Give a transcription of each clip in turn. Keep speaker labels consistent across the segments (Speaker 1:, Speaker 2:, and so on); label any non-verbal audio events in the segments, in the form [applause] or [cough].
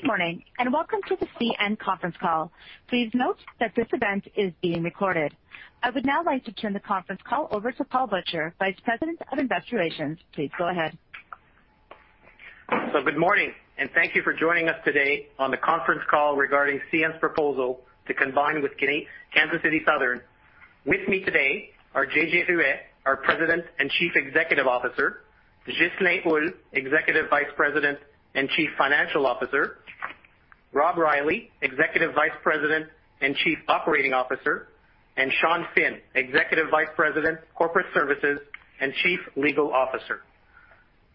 Speaker 1: Good morning, and welcome to the CN conference call. Please note that this event is being recorded. I would now like to turn the conference call over to Paul Butcher, Vice President of Investor Relations. Please go ahead.
Speaker 2: Good morning, and thank you for joining us today on the conference call regarding CN's proposal to combine with Kansas City Southern. With me today are Jean-Jacques Ruest, our President and Chief Executive Officer, Ghislain Houle, Executive Vice President and Chief Financial Officer, Rob Reilly, Executive Vice President and Chief Operating Officer, and Sean Finn, Executive Vice President, Corporate Services and Chief Legal Officer.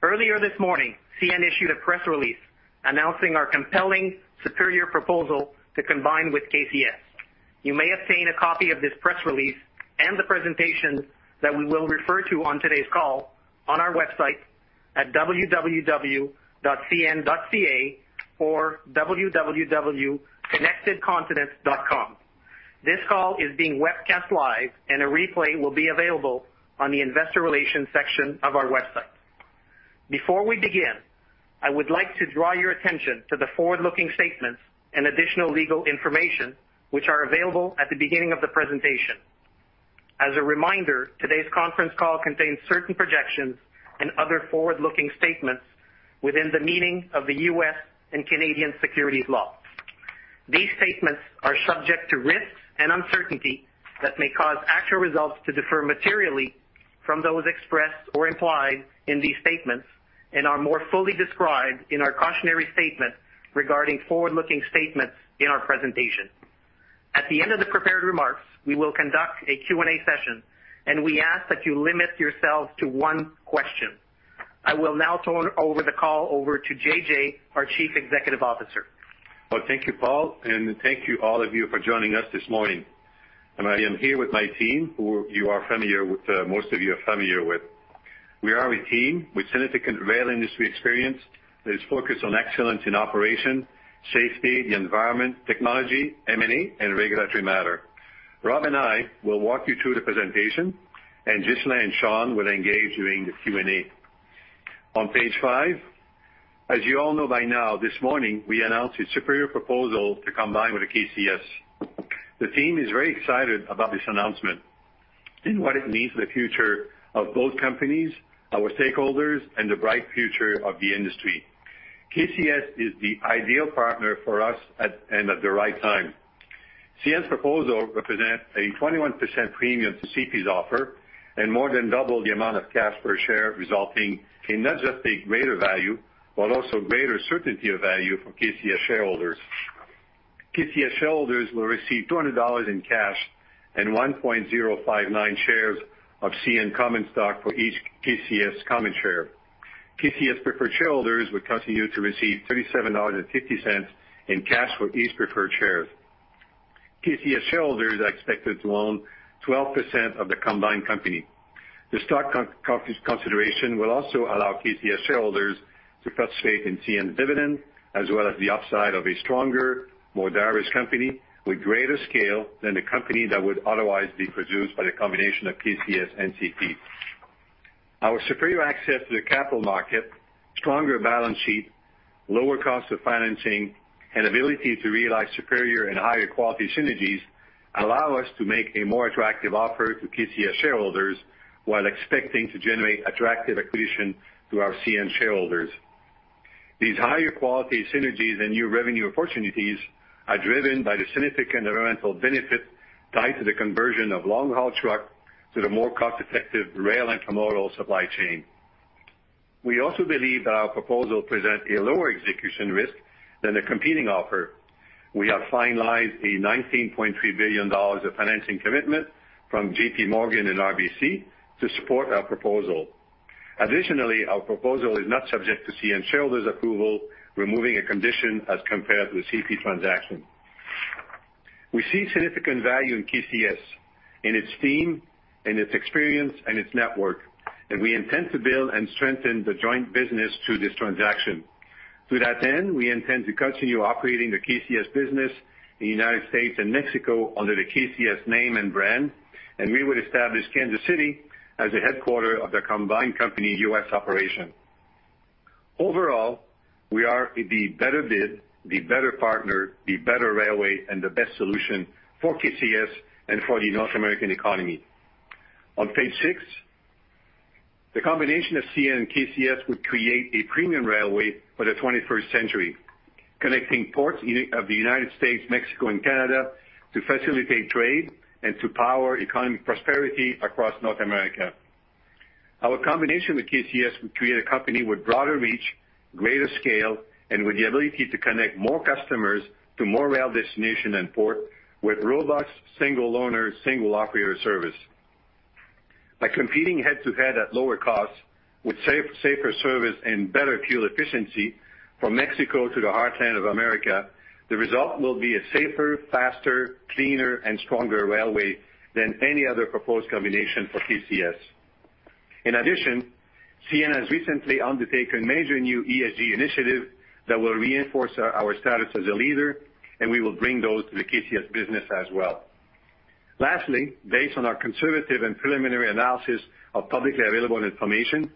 Speaker 2: Earlier this morning, CN issued a press release announcing our compelling superior proposal to combine with KCS. You may obtain a copy of this press release and the presentation that we will refer to on today's call on our website at www.cn.ca or www.connectedcontinent.com. This call is being webcast live and a replay will be available on the investor relations section of our website. Before we begin, I would like to draw your attention to the forward-looking statements and additional legal information which are available at the beginning of the presentation. As a reminder, today's conference call contains certain projections and other forward-looking statements within the meaning of the U.S. and Canadian securities law. These statements are subject to risks and uncertainty that may cause actual results to differ materially from those expressed or implied in these statements and are more fully described in our cautionary statement regarding forward-looking statements in our presentation. At the end of the prepared remarks, we will conduct a Q&A session, and we ask that you limit yourselves to one question. I will now turn the call over to JJ, our Chief Executive Officer.
Speaker 3: Well, thank you, Paul, and thank you all of you for joining us this morning. I am here with my team, who most of you are familiar with. We are a team with significant rail industry experience that is focused on excellence in operation, safety, the environment, technology, M&A, and regulatory matter. Rob and I will walk you through the presentation, and Ghislain and Sean will engage during the Q&A. On page five, as you all know by now, this morning, we announced a superior proposal to combine with KCS. The team is very excited about this announcement and what it means for the future of both companies, our stakeholders, and the bright future of the industry. KCS is the ideal partner for us and at the right time. CN's proposal represents a 21% premium to CP's offer and more than double the amount of cash per share, resulting in not just a greater value, but also greater certainty of value for KCS shareholders. KCS shareholders will receive $200 in cash and 1.059 shares of CN common stock for each KCS common share. KCS preferred shareholders will continue to receive $37.50 in cash for each preferred share. KCS shareholders are expected to own 12% of the combined company. The stock consideration will also allow KCS shareholders to participate in CN dividend, as well as the upside of a stronger, more diverse company with greater scale than a company that would otherwise be produced by the combination of KCS and CP. Our superior access to the capital market, stronger balance sheet, lower cost of financing, and ability to realize superior and higher quality synergies allow us to make a more attractive offer to KCS shareholders while expecting to generate attractive acquisition to our CN shareholders. These higher quality synergies and new revenue opportunities are driven by the significant environmental benefit tied to the conversion of long-haul truck to the more cost-effective rail intermodal supply chain. We also believe that our proposal presents a lower execution risk than a competing offer. We have finalized a 19.3 billion dollars of financing commitment from JPMorgan and RBC to support our proposal. Additionally, our proposal is not subject to CN shareholders' approval, removing a condition as compared to the CP transaction. We see significant value in KCS, in its team, in its experience, and its network. We intend to build and strengthen the joint business through this transaction. To that end, we intend to continue operating the KCS business in the United States and Mexico under the KCS name and brand. We would establish Kansas City as the headquarter of the combined company U.S. operation. Overall, we are the better bid, the better partner, the better railway, and the best solution for KCS and for the North American economy. On page six, the combination of CN and KCS would create a premium railway for the 21st century, connecting ports of the United States, Mexico, and Canada to facilitate trade and to power economic prosperity across North America. Our combination with KCS will create a company with broader reach, greater scale, and with the ability to connect more customers to more rail destination and port with robust single-owner, single-operator service. By competing head-to-head at lower cost with safer service and better fuel efficiency from Mexico to the heartland of America, the result will be a safer, faster, cleaner, and stronger railway than any other proposed combination for KCS. CN has recently undertaken major new ESG initiative that will reinforce our status as a leader, and we will bring those to the KCS business as well. Based on our conservative and preliminary analysis of publicly available information,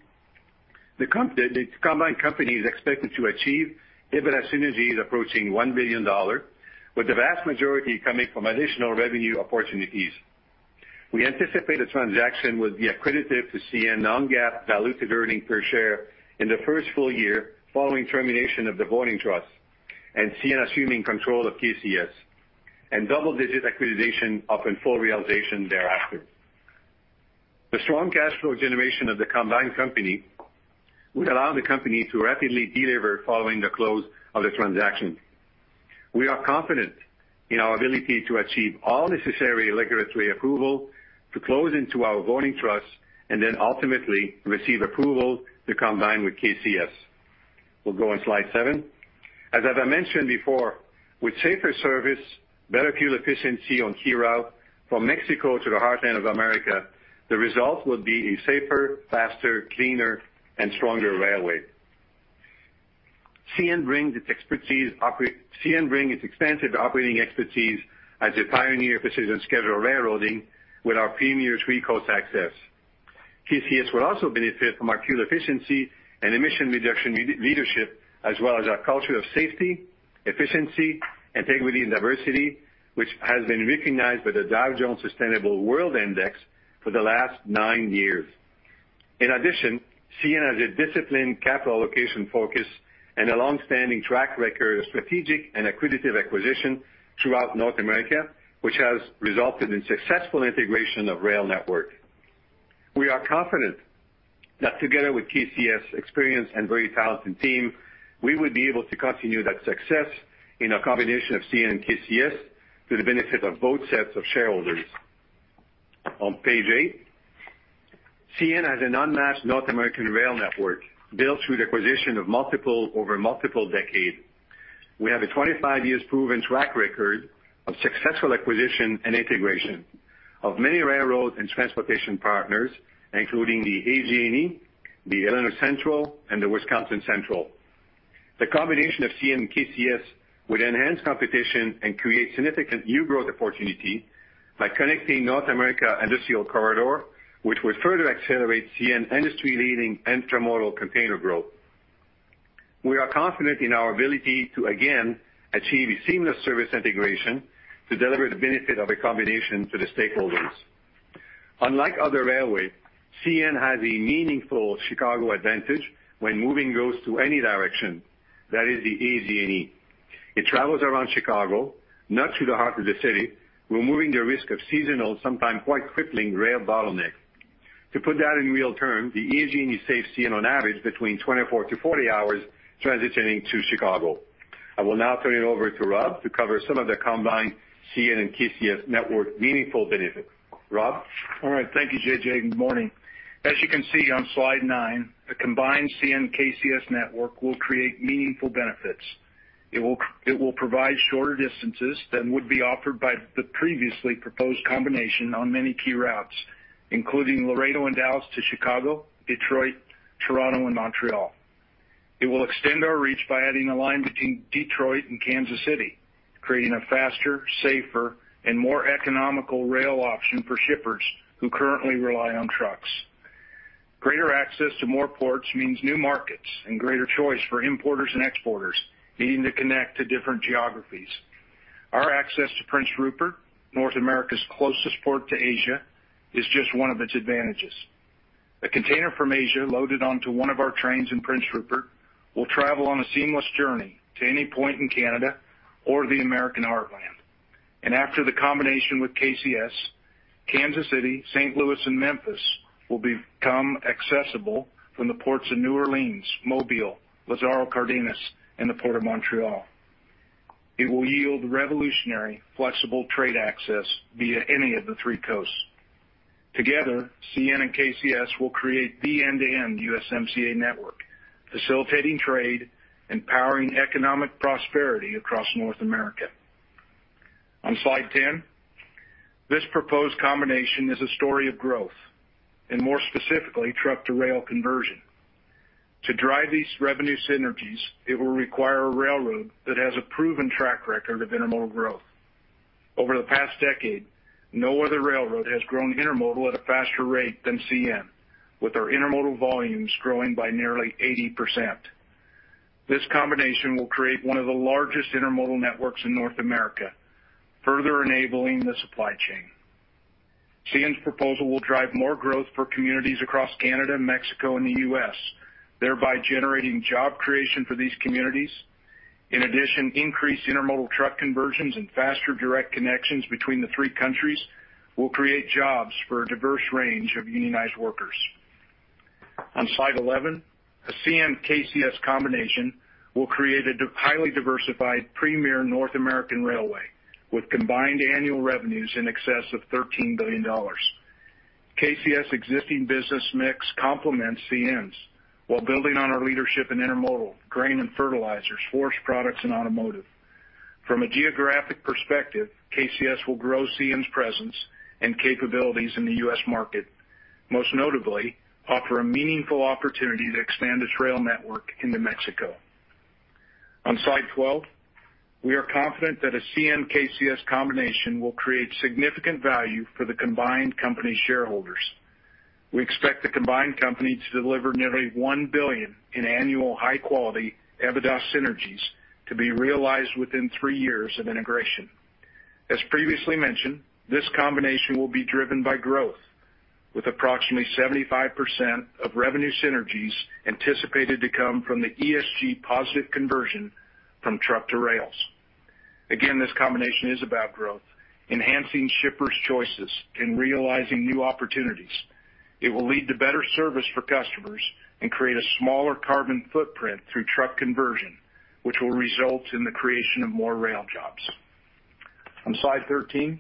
Speaker 3: the combined company is expected to achieve EBITDA synergies approaching $1 billion, with the vast majority coming from additional revenue opportunities. We anticipate the transaction will be accretive to CN non-GAAP diluted earnings per share in the first full year following termination of the voting trust and CN assuming control of KCS, and double-digit accretion upon in full realization thereafter. The strong cash flow generation of the combined company will allow the company to rapidly deliver following the close of the transaction. We are confident in our ability to achieve all necessary regulatory approval to close into our voting trust and then ultimately receive approval to combine with KCS. We'll go on slide seven. As I mentioned before, with safer service, better fuel efficiency on key route from Mexico to the heartland of America, the result will be a safer, faster, cleaner, and stronger railway. CN bring its extensive operating expertise as a pioneer of precision scheduled railroading with our premier three coast access. KCS will also benefit from our fuel efficiency and emission reduction leadership, as well as our culture of safety, efficiency, integrity, and diversity, which has been recognized by the Dow Jones Sustainability World Index for the last nine years. In addition, CN has a disciplined capital allocation focus and a longstanding track record of strategic and accretive acquisition throughout North America, which has resulted in successful integration of rail network. We are confident that together with KCS's experience and very talented team, we will be able to continue that success in a combination of CN and KCS to the benefit of both sets of shareholders. On page eight, CN has an unmatched North American rail network built through the acquisition over multiple decades. We have a 25 years proven track record of successful acquisition and integration of many railroad and transportation partners, including the EJ&E, the Illinois Central, and the Wisconsin Central. The combination of CN and KCS would enhance competition and create significant new growth opportunity by connecting North America Industrial Corridor, which would further accelerate CN industry-leading intermodal container growth. We are confident in our ability to, again, achieve a seamless service integration to deliver the benefit of a combination to the stakeholders. Unlike other railway, CN has a meaningful Chicago advantage when moving goods to any direction, that is the EJ&E. It travels around Chicago, not through the heart of the city, removing the risk of seasonal, sometimes quite crippling rail bottleneck. To put that in real terms, the EJ&E saves CN on average between 24 to 40 hours transitioning to Chicago. I will now turn it over to Rob to cover some of the combined CN and KCS network meaningful benefits. Rob?
Speaker 4: All right. Thank you, JJ, good morning. As you can see on slide nine, a combined CN-KCS network will create meaningful benefits. It will provide shorter distances than would be offered by the previously proposed combination on many key routes, including Laredo and Dallas to Chicago, Detroit, Toronto, and Montreal. It will extend our reach by adding a line between Detroit and Kansas City, creating a faster, safer, and more economical rail option for shippers who currently rely on trucks. Greater access to more ports means new markets and greater choice for importers and exporters needing to connect to different geographies. Our access to Prince Rupert, North America's closest port to Asia, is just one of its advantages. A container from Asia loaded onto one of our trains in Prince Rupert will travel on a seamless journey to any point in Canada or the American heartland. After the combination with KCS, Kansas City, St. Louis, and Memphis will become accessible from the ports of New Orleans, Mobile, Lazaro Cardenas, and the Port of Montreal. It will yield revolutionary, flexible trade access via any of the three coasts. Together, CN and KCS will create the end-to-end USMCA network, facilitating trade and powering economic prosperity across North America. On slide 10, this proposed combination is a story of growth, and more specifically, truck-to-rail conversion. To drive these revenue synergies, it will require a railroad that has a proven track record of intermodal growth. Over the past decade, no other railroad has grown intermodal at a faster rate than CN, with our intermodal volumes growing by nearly 80%. This combination will create one of the largest intermodal networks in North America, further enabling the supply chain. CN's proposal will drive more growth for communities across Canada, Mexico, and the U.S., thereby generating job creation for these communities. In addition, increased intermodal truck conversions and faster direct connections between the three countries will create jobs for a diverse range of unionized workers. On slide 11, a CN-KCS combination will create a highly diversified premier North American railway with combined annual revenues in excess of 13 billion dollars. KCS existing business mix complements CN's while building on our leadership in intermodal, grain and fertilizers, forest products, and automotive. From a geographic perspective, KCS will grow CN's presence and capabilities in the U.S. market, most notably offer a meaningful opportunity to expand its rail network into Mexico. On slide 12, we are confident that a CN-KCS combination will create significant value for the combined company shareholders. We expect the combined company to deliver nearly $1 billion in annual high-quality EBITDA synergies to be realized within three years of integration. As previously mentioned, this combination will be driven by growth, with approximately 75% of revenue synergies anticipated to come from the ESG positive conversion from truck to rails. This combination is about growth, enhancing shippers' choices, and realizing new opportunities. It will lead to better service for customers and create a smaller carbon footprint through truck conversion, which will result in the creation of more rail jobs. On slide 13,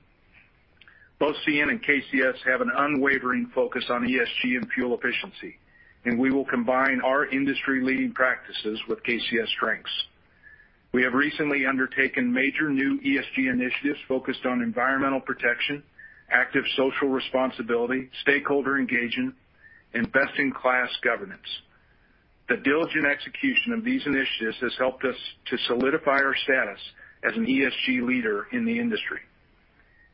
Speaker 4: both CN and KCS have an unwavering focus on ESG and fuel efficiency, and we will combine our industry-leading practices with KCS strengths. We have recently undertaken major new ESG initiatives focused on environmental protection, active social responsibility, stakeholder engagement, and best-in-class governance. The diligent execution of these initiatives has helped us to solidify our status as an ESG leader in the industry.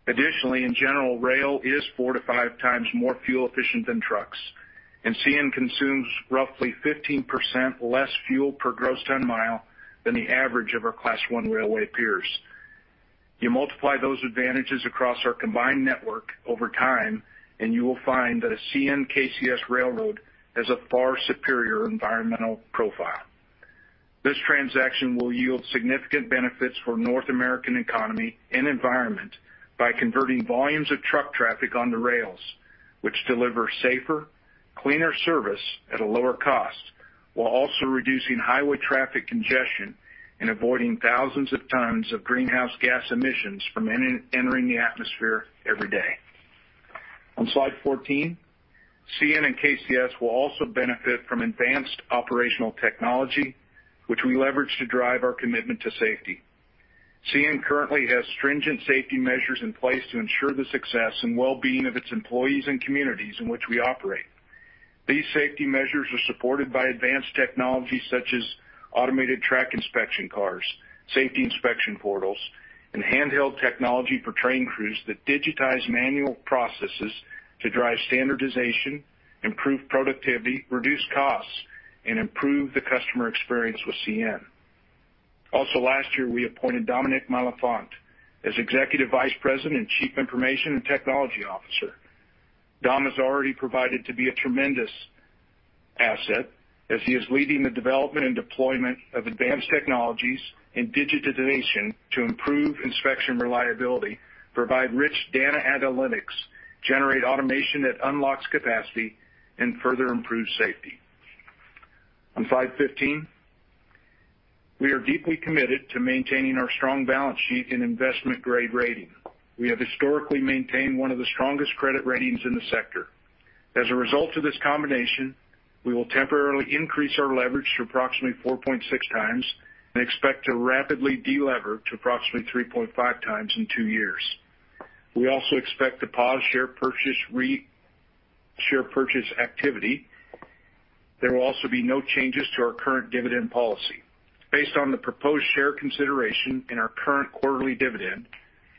Speaker 4: Additionally, in general, rail is four to five times more fuel efficient than trucks, and CN consumes roughly 15% less fuel per gross ton mile than the average of our Class I railway peers. You multiply those advantages across our combined network over time, and you will find that a CN-KCS railroad has a far superior environmental profile. This transaction will yield significant benefits for North American economy and environment by converting volumes of truck traffic onto rails, which deliver safer, cleaner service at a lower cost, while also reducing highway traffic congestion and avoiding thousands of tons of greenhouse gas emissions from entering the atmosphere every day. On slide 14, CN and KCS will also benefit from advanced operational technology, which we leverage to drive our commitment to safety. CN currently has stringent safety measures in place to ensure the success and well-being of its employees and communities in which we operate. These safety measures are supported by advanced technology such as automated track inspection cars, safety inspection portals, and handheld technology for train crews that digitize manual processes to drive standardization, improve productivity, reduce costs, and improve the customer experience with CN. Last year, we appointed Dominique Malenfant as Executive Vice President and Chief Information and Technology Officer. Dom has already proved to be a tremendous asset as he is leading the development and deployment of advanced technologies and digitization to improve inspection reliability, provide rich data analytics, generate automation that unlocks capacity, and further improve safety. On slide 15, we are deeply committed to maintaining our strong balance sheet and investment-grade rating. We have historically maintained one of the strongest credit ratings in the sector. As a result of this combination, we will temporarily increase our leverage to approximately 4.6x and expect to rapidly de-lever to approximately 3.5x in two years. We also expect to pause share purchase activity. There will also be no changes to our current dividend policy. Based on the proposed share consideration and our current quarterly dividend,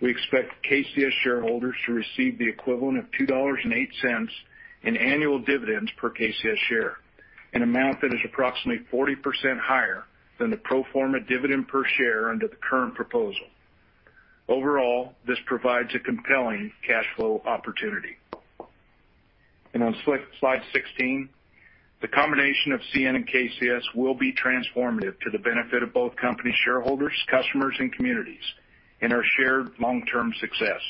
Speaker 4: we expect KCS shareholders to receive the equivalent of $2.08 in annual dividends per KCS share, an amount that is approximately 40% higher than the pro forma dividend per share under the current proposal. Overall, this provides a compelling cash flow opportunity. On slide 16, the combination of CN and KCS will be transformative to the benefit of both company shareholders, customers, and communities, and our shared long-term success.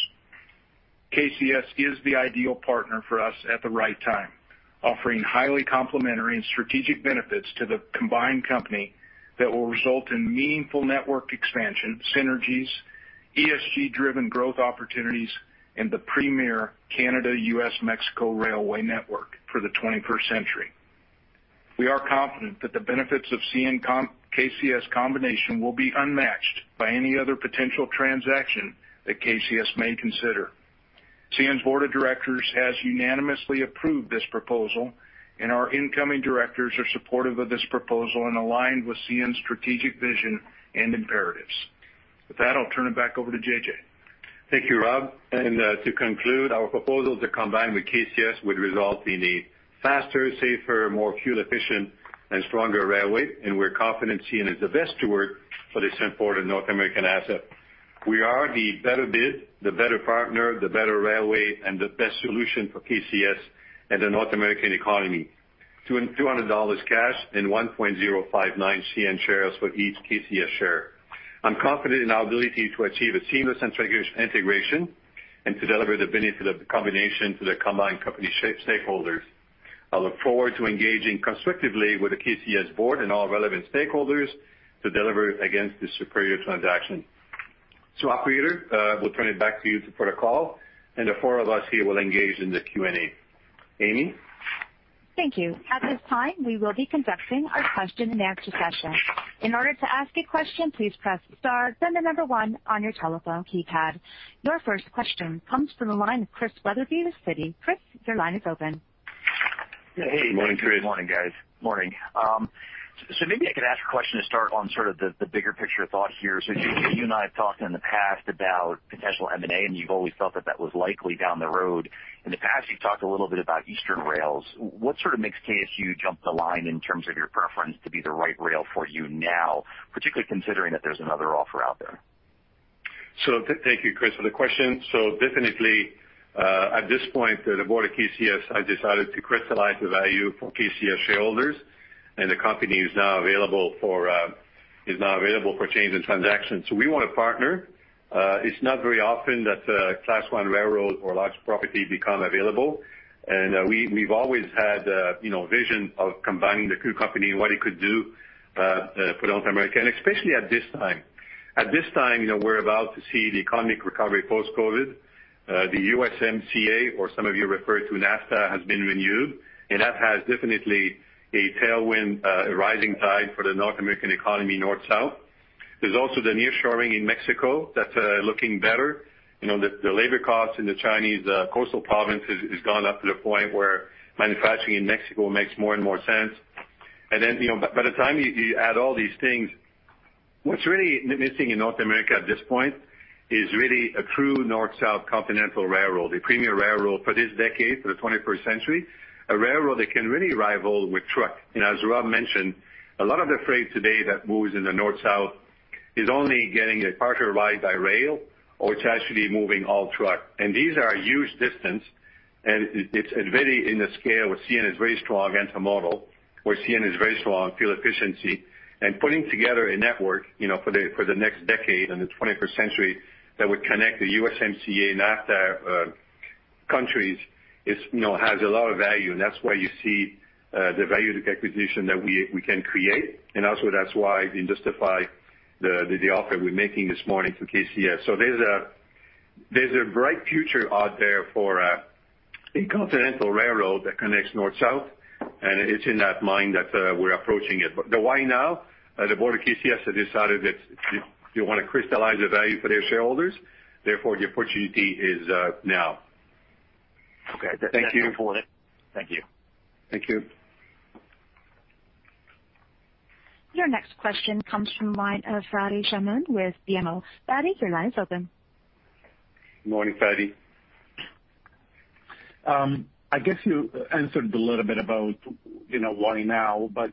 Speaker 4: KCS is the ideal partner for us at the right time, offering highly complementary and strategic benefits to the combined company that will result in meaningful network expansion, synergies, ESG-driven growth opportunities, and the premier Canada-U.S.-Mexico railway network for the 21st century. We are confident that the benefits of CN-KCS combination will be unmatched by any other potential transaction that KCS may consider. CN's board of directors has unanimously approved this proposal. Our incoming directors are supportive of this proposal and aligned with CN's strategic vision and imperatives. With that, I'll turn it back over to JJ.
Speaker 3: Thank you, Rob. To conclude, our proposal to combine with KCS would result in a faster, safer, more fuel efficient, and stronger railway, and we're confident CN is the best steward for this important North American asset. We are the better bid, the better partner, the better railway, and the best solution for KCS and the North American economy. $200 cash and 1.059 CN shares for each KCS share. I'm confident in our ability to achieve a seamless integration and to deliver the benefit of the combination to the combined company stakeholders. I look forward to engaging constructively with the KCS board and all relevant stakeholders to deliver against this superior transaction. Operator, we'll turn it back to you to put a call, and the four of us here will engage in the Q&A. Amy?
Speaker 1: Thank you. At this time, we will be conducting our question and answer session. In order to ask a question, please press star, then one on your telephone keypad. Your first question comes from the line of Christian Wetherbee with Citi. Chris, your line is open.
Speaker 5: Hey.
Speaker 3: Morning, Chris.
Speaker 5: Good morning, guys. Morning. Maybe I could ask a question to start on sort of the bigger picture thought here. JJ, you and I have talked in the past about potential M&A, and you've always felt that that was likely down the road. In the past, you've talked a little bit about Eastern rails. What sort of makes KCS jump the line in terms of your preference to be the right rail for you now, particularly considering that there's another offer out there?
Speaker 3: Thank you, Chris, for the question. Definitely, at this point, the board of KCS has decided to crystallize the value for KCS shareholders, and the company is now available for change in transaction. We want to partner. It's not very often that a Class I railroad or large property become available. We've always had a vision of combining the two companies and what it could do for North America, and especially at this time. At this time, we're about to see the economic recovery post-COVID. The USMCA, or some of you refer to NAFTA, has been renewed, and that has definitely a tailwind, a rising tide for the North American economy, North-South. There's also the near shoring in Mexico that's looking better. The labor cost in the Chinese coastal province has gone up to the point where manufacturing in Mexico makes more and more sense. By the time you add all these things, what's really missing in North America at this point is really a true North-South continental railroad, a premier railroad for this decade, for the 21st century, a railroad that can really rival with truck. As Rob mentioned, a lot of the freight today that moves in the North-South is only getting a partial ride by rail, or it's actually moving all truck. These are huge distance, and it's very in the scale where CN is very strong intermodal, where CN is very strong on fuel efficiency. Putting together a network for the next decade and the 21st century that would connect the USMCA and NAFTA countries has a lot of value, and that's why you see the value of the acquisition that we can create, and also that's why we justify the offer we're making this morning to KCS. There's a bright future out there for a continental railroad that connects North-South, and it's in that mind that we're approaching it. The why now? The board of KCS has decided that they want to crystallize the value for their shareholders. Therefore, the opportunity is now.
Speaker 5: Okay.
Speaker 3: Thank you.
Speaker 5: That's helpful. Thank you.
Speaker 3: Thank you.
Speaker 1: Your next question comes from the line of Fadi Chamoun with BMO. Fadi, your line is open.
Speaker 3: Morning, Fadi.
Speaker 6: I guess you answered a little bit about why now, but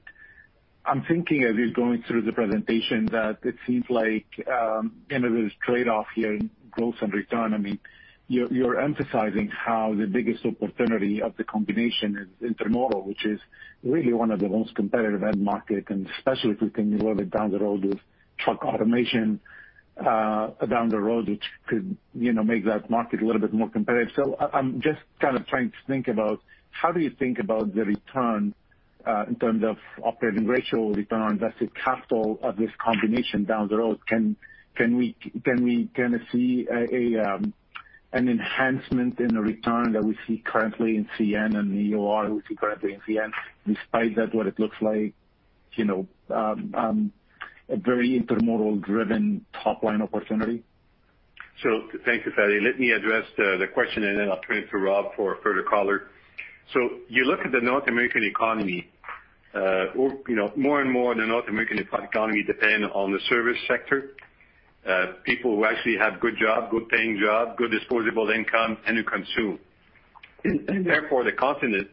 Speaker 6: I'm thinking as you're going through the presentation that it seems like there's trade-off here in growth and return. You're emphasizing how the biggest opportunity of the combination is intermodal, which is really one of the most competitive end market, and especially if we can work down the road with truck automation down the road, which could make that market a little bit more competitive. I'm just kind of trying to think about how do you think about the return in terms of operating ratio, return on invested capital of this combination down the road? Can we kind of see an enhancement in the return that we see currently in CN and the OR we see currently in CN, despite that what it looks like a very intermodal driven top-line opportunity?
Speaker 3: Thank you, Fadi. Let me address the question and then I'll turn it to Rob for a further color. You look at the North American economy. More and more, the North American economy depend on the service sector, people who actually have good job, good paying job, good disposable income, and who consume. Therefore the continent,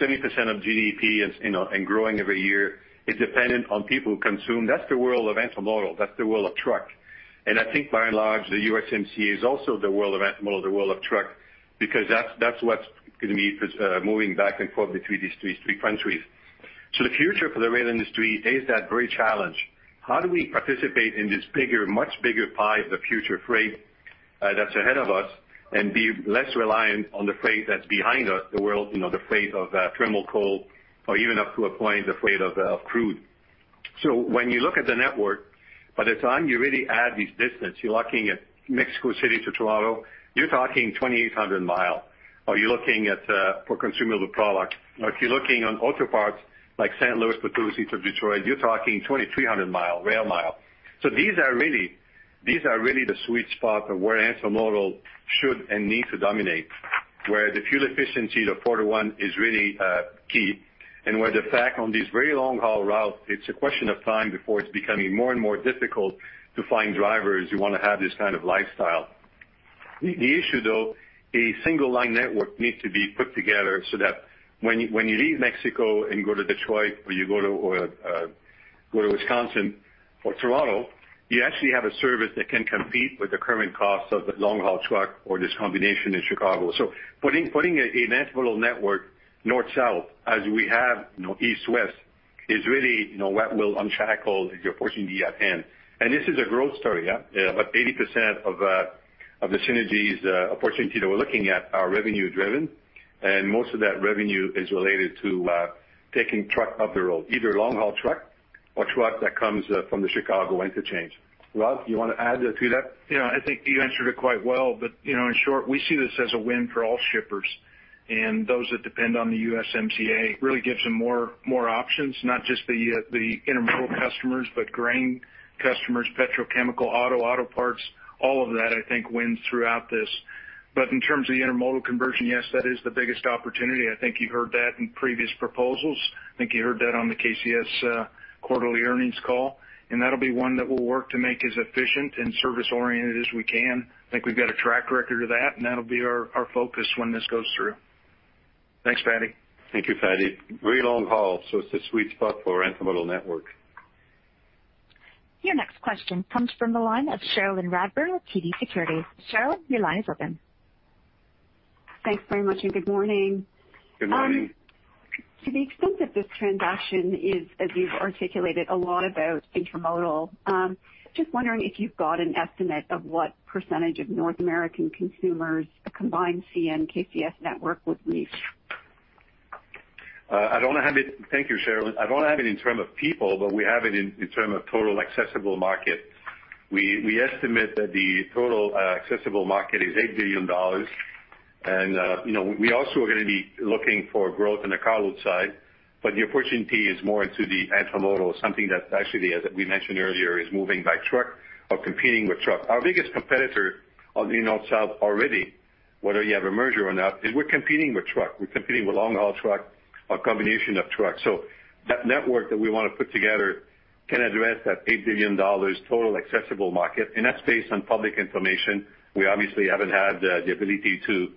Speaker 3: 70% of GDP and growing every year, is dependent on people who consume. That's the world of intermodal. That's the world of truck. I think by and large, the USMCA is also the world of intermodal, the world of truck, because that's what's going to be moving back and forth between these three countries. The future for the rail industry is that very challenge. How do we participate in this much bigger pie of the future freight that's ahead of us and be less reliant on the freight that's behind us, the world, the freight of thermal coal or even up to a point, the freight of crude? When you look at the network, by the time you really add these distance, you're looking at Mexico City to Toronto, you're talking 2,800 mi or you're looking at for consumable product. If you're looking on auto parts like St. Louis, San Luis Potosí, into Detroit, you're talking 2,300 mi, rail mile. These are really the sweet spot of where intermodal should and need to dominate, where the fuel efficiency of four to one is really key, and where the fact on these very long-haul routes, it's a question of time before it's becoming more and more difficult to find drivers who want to have this kind of lifestyle. The issue, though, a single line network needs to be put together so that when you leave Mexico and you go to Detroit or you go to Wisconsin or Toronto, you actually have a service that can compete with the current cost of the long-haul truck or this combination in Chicago. Putting an intermodal network North-South, as we have East-West, is really what will untackle the opportunity at hand. This is a growth story. About 80% of the synergies opportunity that we're looking at are revenue driven, and most of that revenue is related to taking truck off the road, either long-haul truck or truck that comes from the Chicago interchange. Rob, you want to add to that?
Speaker 4: Yeah, I think you answered it quite well. In short, we see this as a win for all shippers and those that depend on the USMCA. It really gives them more options, not just the intermodal customers, but grain customers, petrochemical, auto parts. All of that, I think, wins throughout this. In terms of the intermodal conversion, yes, that is the biggest opportunity. I think you heard that in previous proposals. I think you heard that on the KCS quarterly earnings call, and that'll be one that we'll work to make as efficient and service-oriented as we can. I think we've got a track record of that, and that'll be our focus when this goes through. Thanks, Fadi.
Speaker 3: Thank you, Fadi. Very long haul, so it's a sweet spot for intermodal network.
Speaker 1: Your next question comes from the line of Cherilyn Radbourne with TD Securities. Cherilyn, your line is open.
Speaker 7: Thanks very much, and good morning.
Speaker 3: Good morning.
Speaker 7: To the extent that this transaction is, as you've articulated, a lot about intermodal, just wondering if you've got an estimate of what percentage of North American consumers a combined CN-KCS network would reach?
Speaker 3: Thank you, Cherilyn. I don't have it in terms of people, but we have it in terms of total accessible market. We estimate that the total accessible market is 8 billion dollars. We also are going to be looking for growth on the carload side, but the opportunity is more into the intermodal, something that actually, as we mentioned earlier, is moving by truck or competing with truck. Our biggest competitor on the north-south already, whether you have a merger or not, is we're competing with truck. We're competing with long-haul truck or combination of truck. That network that we want to put together can address that 8 billion dollars total accessible market, and that's based on public information. We obviously haven't had the ability to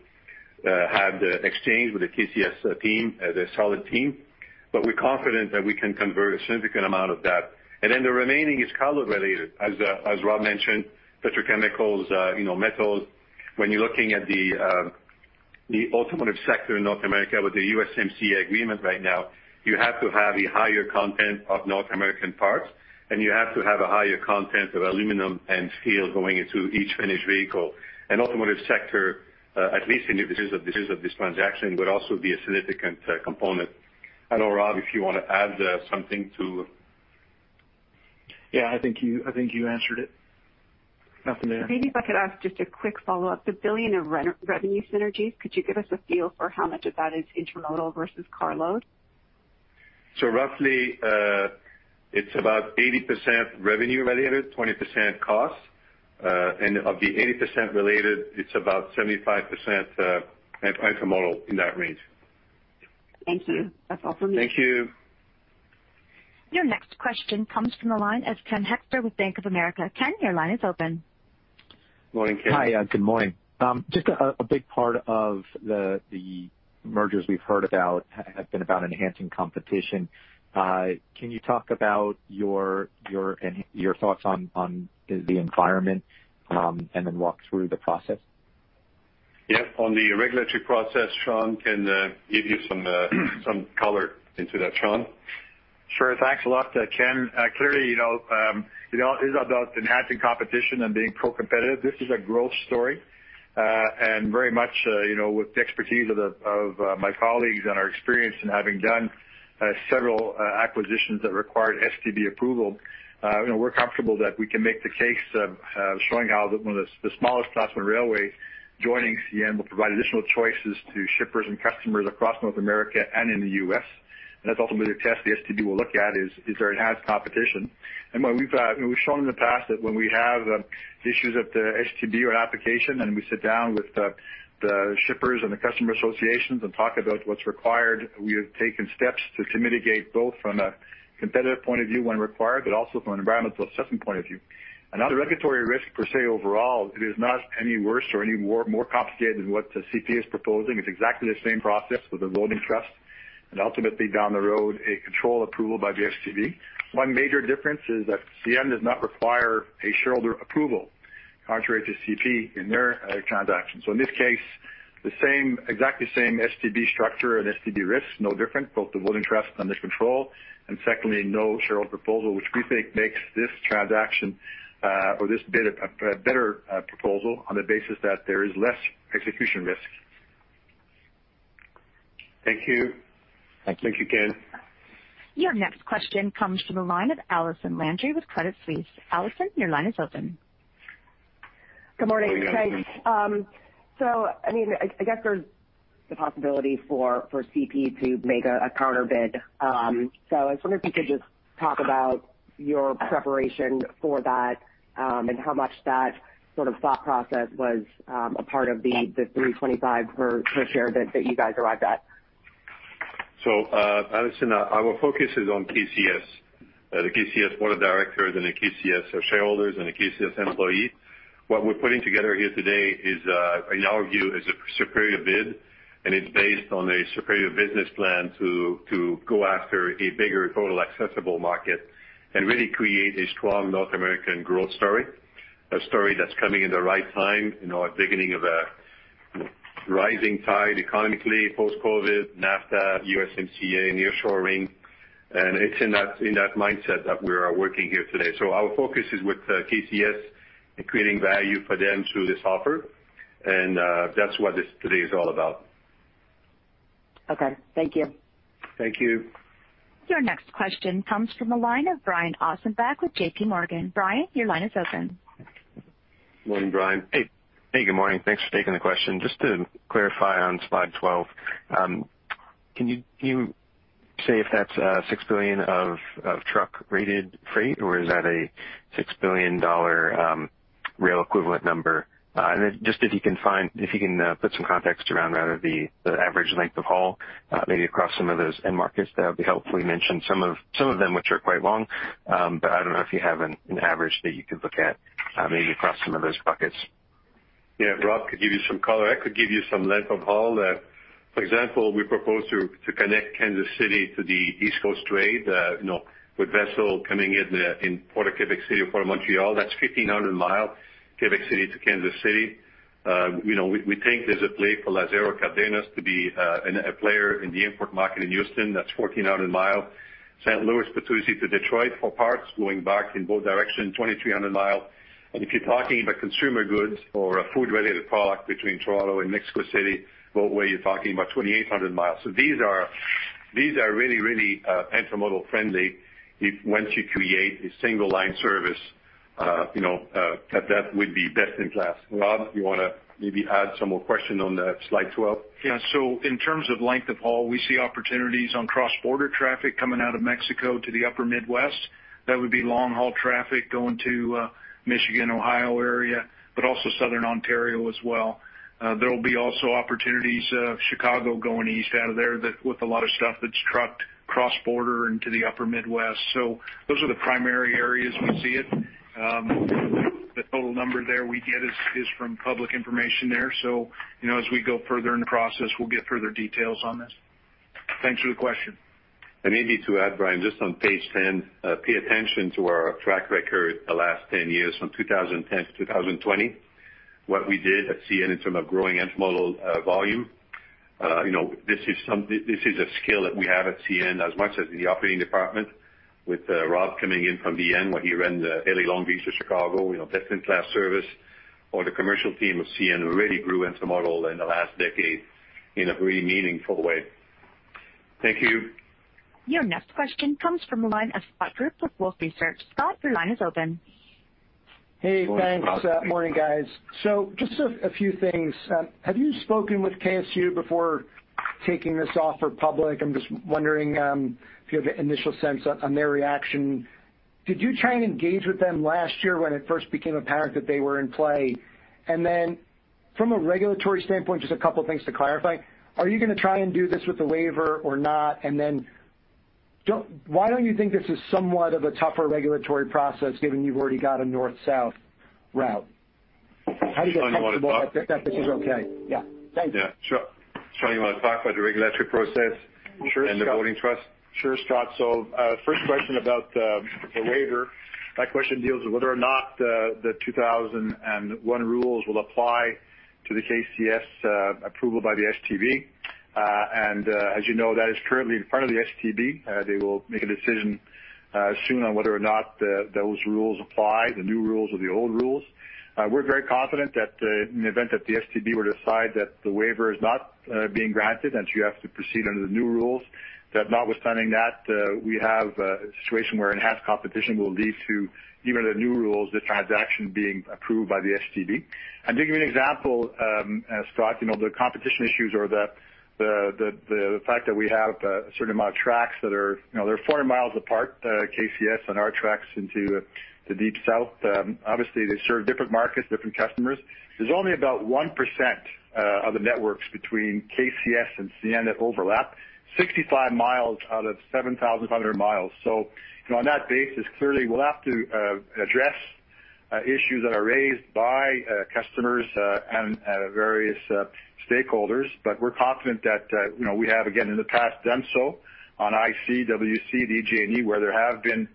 Speaker 3: have the exchange with the KCS team, the solid team. We're confident that we can convert a significant amount of that. The remaining is carload related. As Rob mentioned, petrochemicals, metals. When you're looking at the automotive sector in North America with the USMCA agreement right now, you have to have a higher content of North American parts, and you have to have a higher content of aluminum and steel going into each finished vehicle. Automotive sector, at least in the business of this transaction, would also be a significant component. I don't know, Rob, if you want to add something to
Speaker 4: I think you answered it. Nothing to add.
Speaker 7: Maybe if I could ask just a quick follow-up. The billion in revenue synergies, could you give us a feel for how much of that is intermodal versus carload?
Speaker 3: Roughly, it's about 80% revenue related, 20% cost. Of the 80% related, it's about 75% intermodal, in that range.
Speaker 7: Thank you. That's all for me.
Speaker 3: Thank you.
Speaker 1: Your next question comes from the line of Ken Hoexter with Bank of America. Ken, your line is open.
Speaker 3: Morning, Ken.
Speaker 8: Hi, good morning. Just a big part of the mergers we've heard about have been about enhancing competition. Can you talk about your thoughts on the environment, and then walk through the process?
Speaker 3: Yep. On the regulatory process, Sean can give you some color into that. Sean?
Speaker 9: Sure. Thanks a lot, Ken. Clearly it is about enhancing competition and being pro-competitive. This is a growth story. Very much with the expertise of my colleagues and our experience in having done several acquisitions that required STB approval, we're comfortable that we can make the case of showing how one of the smallest Class I railway joining CN will provide additional choices to shippers and customers across North America and in the U.S. That's ultimately the test the STB will look at, is there enhanced competition? We've shown in the past that when we have issues at the STB or an application, and we sit down with the shippers and the customer associations and talk about what's required, we have taken steps to mitigate both from a competitive point of view when required, but also from an environmental assessment point of view. Another regulatory risk per se overall, it is not any worse or any more complicated than what CP is proposing. It's exactly the same process with the voting trust and ultimately down the road, a control approval by the STB. One major difference is that CN does not require a shareholder approval, contrary to CP in their transaction. In this case, exactly same STB structure and STB risks, no different, both the voting trust and the control, and secondly, no shareholder proposal, which we think makes this transaction or this bid a better proposal on the basis that there is less execution risk.
Speaker 8: Thank you.
Speaker 9: Thank you.
Speaker 3: Thank you, Ken.
Speaker 1: Your next question comes from the line of Allison Landry with Credit Suisse. Allison, your line is open.
Speaker 10: Good morning.
Speaker 3: Good morning, Allison.
Speaker 10: I guess there's the possibility for CP to make a counter bid. I was wondering if you could just talk about your preparation for that, and how much that sort of thought process was a part of the $325 per share that you guys arrived at.
Speaker 3: Allison, our focus is on KCS, the KCS Board of Directors and the KCS shareholders and the KCS employees. What we're putting together here today is, in our view, a superior bid, and it's based on a superior business plan to go after a bigger total accessible market and really create a strong North American growth story, a story that's coming in the right time, beginning of a rising tide economically post-COVID, NAFTA, USMCA, nearshoring, and it's in that mindset that we are working here today. Our focus is with KCS and creating value for them through this offer, and that's what today is all about.
Speaker 10: Okay. Thank you.
Speaker 3: Thank you.
Speaker 1: Your next question comes from the line of Brian Ossenbeck with JPMorgan. Brian, your line is open.
Speaker 3: Morning, Brian.
Speaker 11: Hey. Good morning. Thanks for taking the question. Just to clarify on slide 12, can you. Say if that's 6 billion of truck-rated freight or is that a 6 billion dollar rail equivalent number? Then just if you can put some context around rather the average length of haul, maybe across some of those end markets, that would be helpful. You mentioned some of them which are quite long. I don't know if you have an average that you could look at, maybe across some of those buckets.
Speaker 3: Yeah. Rob could give you some color. I could give you some length of haul. For example, we propose to connect Kansas City to the East Coast trade, with vessel coming in Port of Quebec City or Port of Montreal. That's 1,500 mi, Quebec City to Kansas City. We think there's a play for Lazaro Cardenas to be a player in the import market in Houston, that's 1,400 mi. San Luis Potosí to Detroit for parts going back in both directions, 2,300 mi. If you're talking about consumer goods or a food-related product between Toronto and Mexico City, well, where you're talking about 2,800 mi. These are really intermodal friendly once you create a single line service that would be best in class. Rob, you want to maybe add some more question on the slide 12?
Speaker 4: Yeah. In terms of length of haul, we see opportunities on cross-border traffic coming out of Mexico to the Upper Midwest. That would be long-haul traffic going to Michigan, Ohio area, but also Southern Ontario as well. There'll be also opportunities, Chicago going east out of there, with a lot of stuff that's trucked cross-border into the Upper Midwest. Those are the primary areas we see it. The total number there we get is from public information there. As we go further in the process, we'll get further details on this. Thanks for the question.
Speaker 3: Maybe to add, Brian, just on page 10, pay attention to our track record the last 10 years, from 2010 to 2020. What we did at CN in terms of growing intermodal volume. This is a skill that we have at CN as much as the operating department with Rob coming in from BN, where he ran the L.A. Long Beach to Chicago, best in class service. The commercial team of CN really grew intermodal in the last decade in a very meaningful way. Thank you.
Speaker 1: Your next question comes from the line of Scott Group with Wolfe Research. Scott, your line is open.
Speaker 12: Hey, thanks.
Speaker 3: Morning, Scott.
Speaker 12: Morning, guys. Just a few things. Have you spoken with KCS before taking this offer public? I'm just wondering if you have an initial sense on their reaction. Did you try and engage with them last year when it first became apparent that they were in play? From a regulatory standpoint, just a couple of things to clarify. Are you going to try and do this with the waiver or not? Why don't you think this is somewhat of a tougher regulatory process given you've already got a north-south route? How do you get comfortable that this is okay? Yeah. Thanks.
Speaker 3: Yeah. Sure. Sean, you want to talk about the regulatory process.
Speaker 9: Sure, Scott.
Speaker 3: The voting trust?
Speaker 9: Sure, Scott. First question about the waiver. My question deals with whether or not the 2001 rules will apply to the KCS approval by the STB. As you know, that is currently in front of the STB. They will make a decision soon on whether or not those rules apply, the new rules or the old rules. We're very confident that in the event that the STB were to decide that the waiver is not being granted, and so you have to proceed under the new rules, that notwithstanding that, we have a situation where enhanced competition will lead to even the new rules, the transaction being approved by the STB. To give you an example, Scott, the competition issues or the fact that we have a certain amount of trucks that are 400 mi apart, KCS and our trucks into the Deep South. Obviously, they serve different markets, different customers. There's only about 1% of the networks between KCS and CN that overlap 65 mi out of 7,500 mi. On that basis, clearly, we'll have to address issues that are raised by customers and various stakeholders. We're confident that, we have, again, in the past done so on ICWC, EJ&E, where there have been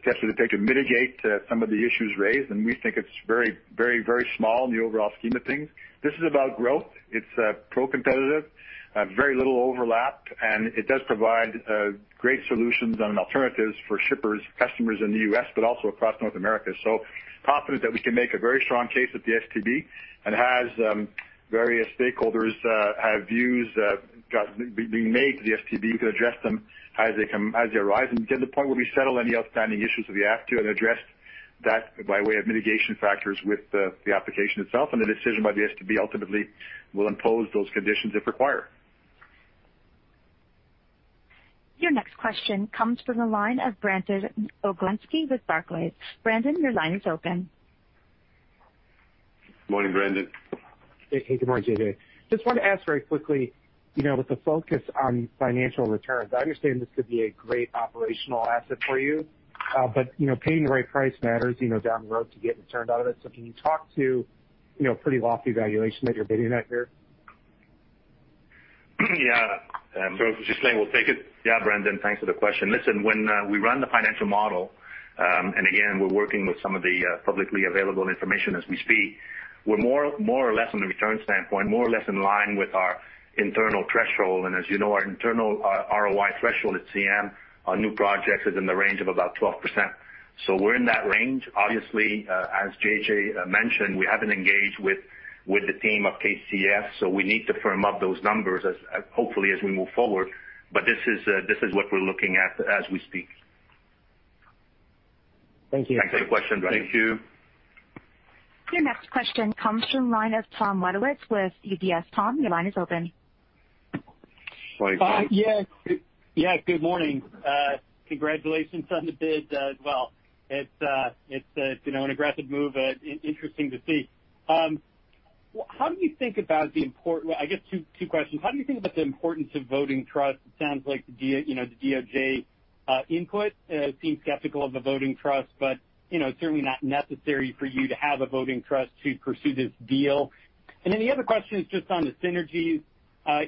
Speaker 9: steps that they take to mitigate some of the issues raised, and we think it's very small in the overall scheme of things. This is about growth. It's pro-competitive, very little overlap, and it does provide great solutions and alternatives for shippers, customers in the U.S., but also across North America. Confident that we can make a very strong case at the STB and as various stakeholders have views being made to the STB to address them as they arise, and get to the point where we settle any outstanding issues that we have to and address that by way of mitigation factors with the application itself and the decision by the STB ultimately will impose those conditions if required.
Speaker 1: Your next question comes from the line of Brandon Oglenski with Barclays. Brandon, your line is open.
Speaker 3: Morning, Brandon.
Speaker 13: Hey, good morning, JJ Just wanted to ask very quickly, with the focus on financial returns, I understand this could be a great operational asset for you. Paying the right price matters down the road to get returns out of it. Can you talk to, pretty lofty valuation that you're bidding at here?
Speaker 3: Yeah.
Speaker 14: If you're saying we'll take it. Yeah, Brandon, thanks for the question. Listen, when we run the financial model, and again, we're working with some of the publicly available information as we speak, we're more or less on the return standpoint, more or less in line with our internal threshold. As you know, our internal ROI threshold at CN on new projects is in the range of about 12%. We're in that range. Obviously, as JJ mentioned, we haven't engaged with the team of KCS, so we need to firm up those numbers as hopefully as we move forward. This is what we're looking at as we speak.
Speaker 13: Thank you.
Speaker 14: Thanks for your question, Brian.
Speaker 3: Thank you.
Speaker 1: Your next question comes from the line of Tom Wadewitz with UBS. Tom, your line is open.
Speaker 15: Hi. Yeah. Good morning. Congratulations on the bid. Well, it's an aggressive move, interesting to see. I guess two questions. How do you think about the importance of voting trust? It sounds like the DOJ input seems skeptical of a voting trust, but certainly not necessary for you to have a voting trust to pursue this deal. The other question is just on the synergies.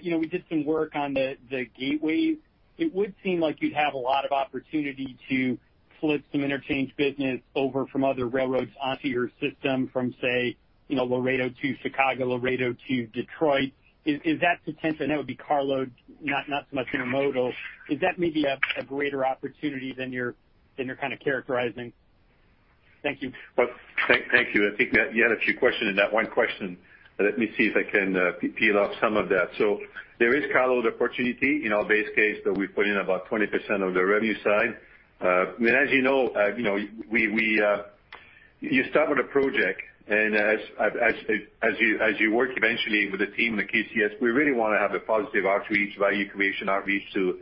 Speaker 15: We did some work on the gateway. It would seem like you'd have a lot of opportunity to flip some interchange business over from other railroads onto your system from, say, Laredo to Chicago, Laredo to Detroit. Is that potential? I know it would be carload, not so much intermodal. Is that maybe a greater opportunity than you're kind of characterizing? Thank you.
Speaker 3: Well, thank you. I think that you had a few questions in that one question. Let me see if I can peel off some of that. There is carload opportunity in our base case that we put in about 20% of the revenue side. As you know, you start with a project and as you work eventually with the team and the KCS, we really want to have a positive outreach, value creation outreach to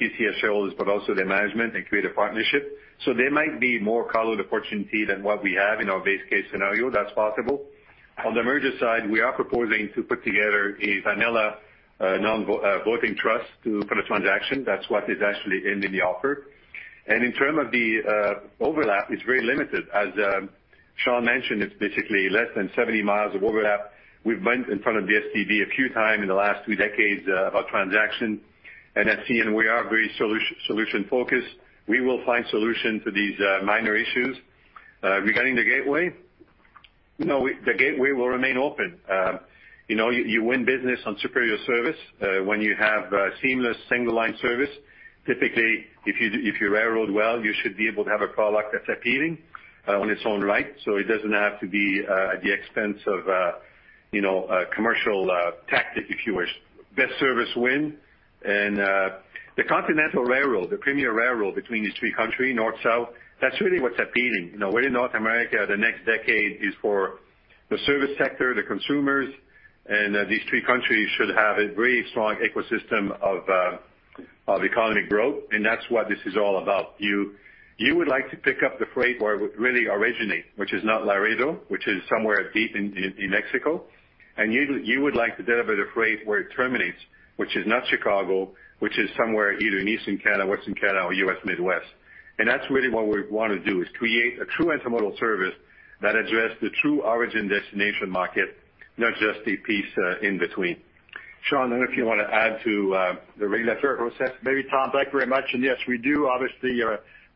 Speaker 3: KCS shareholders, but also the management and create a partnership. There might be more carload opportunity than what we have in our base case scenario. That's possible. On the merger side, we are proposing to put together a vanilla non-voting trust for the transaction. That's what is actually in the offer. In terms of the overlap, it's very limited. As Sean mentioned, it's basically less than 70 mi of overlap. We've been in front of the STB a few times in the last two decades about transaction. At CN, we are very solution-focused. We will find solution to these minor issues. Regarding the gateway, the gateway will remain open. You win business on superior service. When you have seamless single line service, typically, if you railroad well, you should be able to have a product that's appealing on its own right. It doesn't have to be at the expense of a commercial tactic, if you wish. Best service win and the continental railroad, the premier railroad between these three country, North, South, that's really what's appealing. We're in North America, the next decade is for the service sector, the consumers, and these three countries should have a very strong ecosystem of economic growth, and that's what this is all about. You would like to pick up the freight where it would really originate, which is not Laredo, which is somewhere deep in Mexico. You would like to deliver the freight where it terminates, which is not Chicago, which is somewhere either in East Canada, West Canada, or U.S. Midwest. That's really what we want to do, is create a true intermodal service that address the true origin destination market, not just a piece in between. Sean, I don't know if you want to add to the regulatory process maybe,
Speaker 9: Tom. Thank you very much. Yes, we do obviously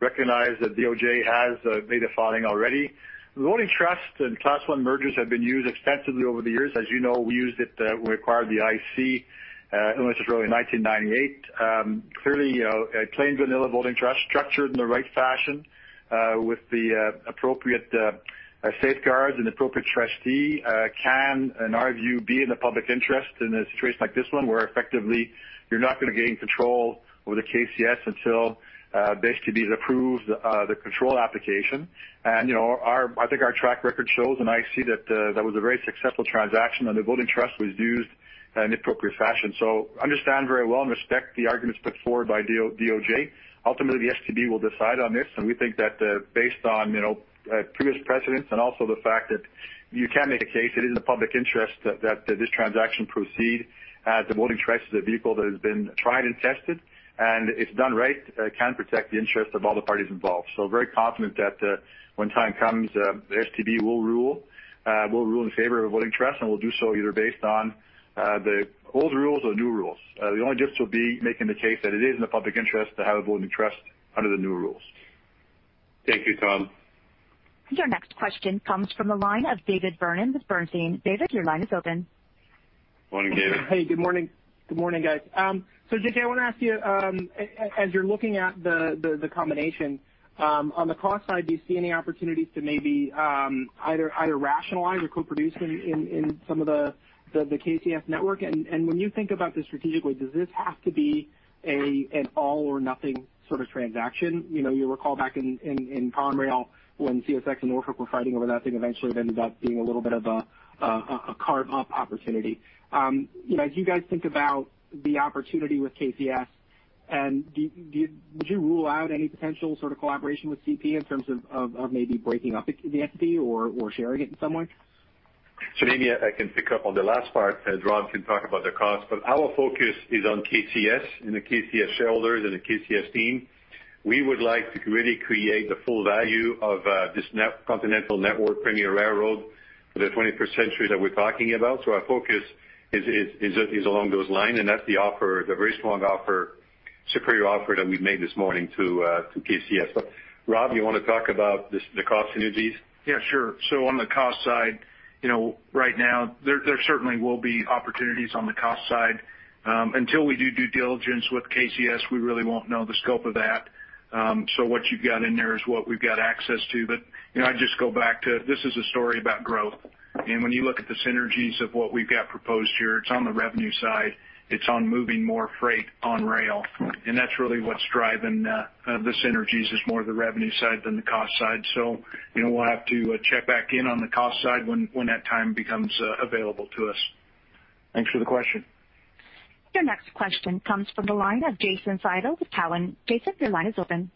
Speaker 9: recognize that DOJ has made a filing already. Voting trust and Class I mergers have been used extensively over the years. As you know, we used it when we acquired the IC, Illinois Central, in 1998. Clearly, a plain vanilla voting trust structured in the right fashion, with the appropriate safeguards and appropriate trustee, can, in our view, be in the public interest in a situation like this one, where effectively you're not going to gain control over the KCS until basically it approves the control application. I think our track record shows in IC that that was a very successful transaction, and the voting trust was used in appropriate fashion. Understand very well and respect the arguments put forward by DOJ. Ultimately, the STB will decide on this, and we think that based on previous precedents and also the fact that you can make a case, it is in the public interest that this transaction proceed. The voting trust is a vehicle that has been tried and tested, and if done right, can protect the interest of all the parties involved. Very confident that when time comes, the STB will rule in favor of voting trust, and will do so either based on the old rules or new rules. The only difference will be making the case that it is in the public interest to have a voting trust under the new rules. Thank you, Tom.
Speaker 1: Your next question comes from the line of David Vernon with Bernstein. David, your line is open.
Speaker 3: Morning, David.
Speaker 16: Hey, good morning. Good morning, guys. JJ, I want to ask you, as you're looking at the combination, on the cost side, do you see any opportunities to maybe either rationalize or co-produce in some of the KCS network? When you think about this strategically, does this have to be an all or nothing sort of transaction? You'll recall back in Conrail when CSX and Norfolk were fighting over that thing, eventually it ended up being a little bit of a carve up opportunity. As you guys think about the opportunity with KCS, would you rule out any potential sort of collaboration with CP in terms of maybe breaking up the entity or sharing it in some way?
Speaker 3: Maybe I can pick up on the last part, as Rob can talk about the cost, but our focus is on KCS and the KCS shareholders and the KCS team. We would like to really create the full value of this continental network premier railroad for the 21st century that we're talking about. Our focus is along those lines, and that's the offer, the very strong offer, superior offer that we made this morning to KCS. Rob, you want to talk about the cost synergies?
Speaker 4: Yeah, sure. On the cost side, right now there certainly will be opportunities on the cost side. Until we do due diligence with KCS, we really won't know the scope of that. What you've got in there is what we've got access to. I'd just go back to, this is a story about growth, and when you look at the synergies of what we've got proposed here, it's on the revenue side, it's on moving more freight on rail, and that's really what's driving the synergies is more the revenue side than the cost side. We'll have to check back in on the cost side when that time becomes available to us. Thanks for the question.
Speaker 1: Your next question comes from the line of Jason Seidl with Cowen. Jason, your line is open.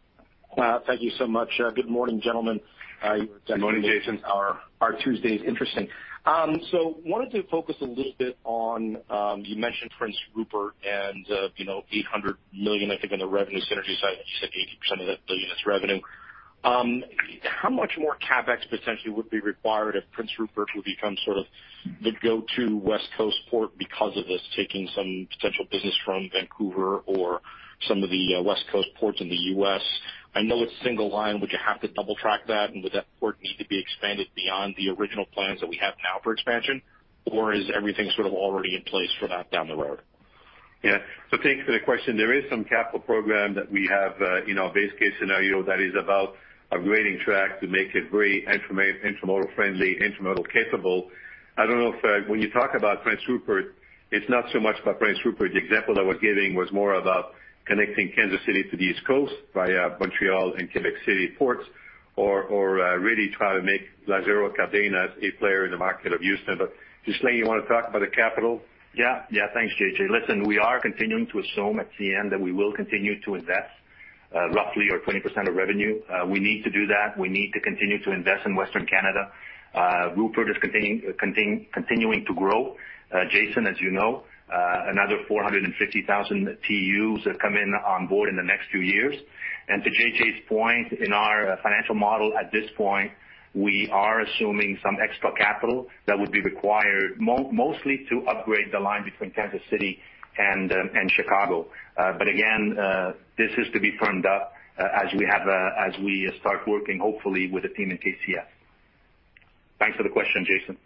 Speaker 17: Thank you so much. Good morning, gentlemen.
Speaker 3: Good morning, Jason.
Speaker 17: You are definitely making our Tuesdays interesting. Wanted to focus a little bit on, you mentioned Prince Rupert and 800 million, I think, on the revenue synergy side, but you said 80% of that 1 billion is revenue. How much more CapEx potentially would be required if Prince Rupert would become sort of the go-to West Coast port because of this taking some potential business from Vancouver or some of the West Coast ports in the U.S.? I know it's single line. Would you have to double track that and would that port need to be expanded beyond the original plans that we have now for expansion? Or is everything sort of already in place for that down the road?
Speaker 3: Yeah. Thanks for the question. There is some capital program that we have in our base case scenario that is about upgrading track to make it very intermodal friendly, intermodal capable. I don't know if, when you talk about Prince Rupert, it's not so much about Prince Rupert. The example I was giving was more about connecting Kansas City to the East Coast via Montreal and Quebec City ports or really try to make Lázaro Cárdenas a player in the market of Houston. Ghislain, you want to talk about the capital?
Speaker 14: Yeah. Thanks, JJ. Listen, we are continuing to assume at CN that we will continue to invest roughly or 20% of revenue. We need to do that. We need to continue to invest in Western Canada. Rupert is continuing to grow. Jason, as you know, another 450,000 TEUs have come in onboard in the next two years. To JJ's point, in our financial model at this point, we are assuming some extra capital that would be required mostly to upgrade the line between Kansas City and Chicago. Again, this is to be firmed up as we start working hopefully with a team in KCS. Thanks for the question, Jason.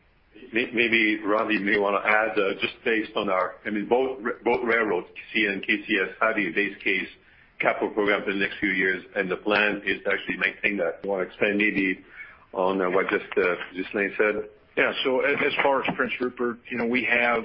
Speaker 3: Maybe Rob, you may want to add, just based on both railroads, CN, KCS, have a base case capital program for the next few years, and the plan is to actually maintain that or expand it. On what just Ghislain said.
Speaker 4: Yeah. As far as Prince Rupert, we have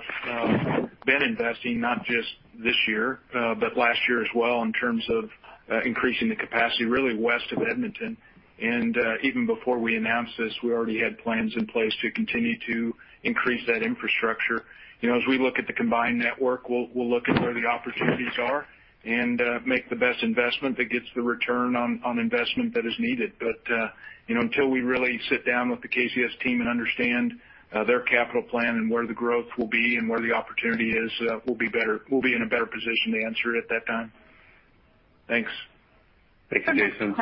Speaker 4: been investing not just this year, but last year as well in terms of increasing the capacity really west of Edmonton. Even before we announced this, we already had plans in place to continue to increase that infrastructure. As we look at the combined network, we'll look at where the opportunities are and make the best investment that gets the return on investment that is needed. Until we really sit down with the KCS team and understand their capital plan and where the growth will be and where the opportunity is, we'll be in a better position to answer it at that time. Thanks.
Speaker 3: Thank you, Jason.